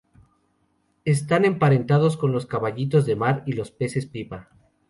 Están emparentados con los caballitos de mar y los peces pipa.